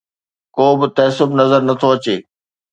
ڪوبه تعصب نظر نٿو اچي